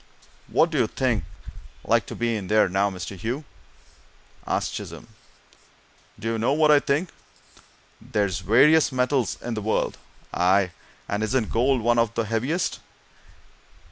"What do you think's like to be in there, now, Mr. Hugh?" asked Chisholm. "Do you know what I think? There's various heavy metals in the world aye, and isn't gold one of the heaviest?